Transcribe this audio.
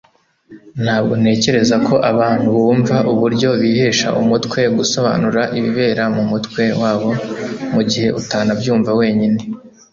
ntabwo ntekereza ko abantu bumva uburyo bitesha umutwe gusobanura ibibera mumutwe wawe mugihe utanabyumva wenyine